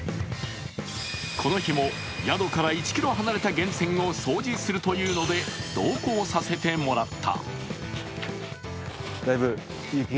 この日も宿から１ｋｍ離れた源泉を掃除するというので、同行させてもらった。